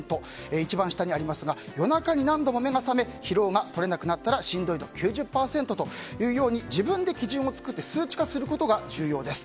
一番下、夜中に何度も目が覚め疲労が取れなくなったらしんどい度９０％と自分で基準を作って数値化することが重要です。